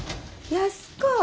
安子。